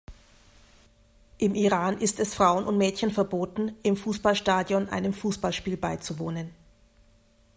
Im Iran ist es Frauen und Mädchen verboten, im Fußballstadion einem Fußballspiel beizuwohnen.